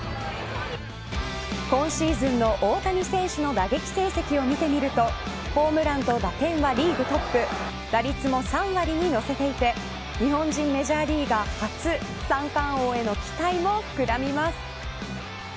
今シーズンの大谷選手の打撃成績を見てみるとホームランと打点はリーグトップ打率も３割に乗せていて日本人メジャーリーガー初三冠王への期待も膨らみます。